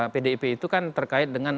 pdip itu kan terkait dengan